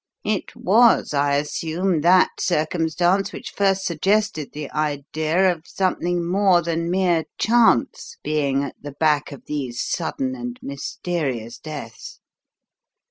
It was, I assume, that circumstance which first suggested the idea of something more than mere chance being at the back of these sudden and mysterious deaths?"